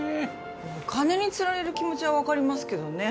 お金につられる気持ちは分かりますけどね